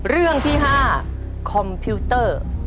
เรื่องที่๕คอมพิวเตอร์